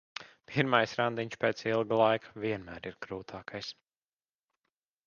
Pirmais randiņš pēc ilga laika vienmēr ir grūtākais.